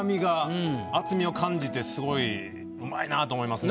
上手いなと思いますね。